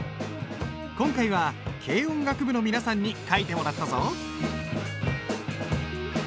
今回は軽音楽部の皆さんに書いてもらったぞ。